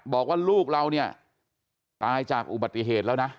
บอกว่าลูกเราเนี่ยตายจากอุบัติเหตุแล้วนะ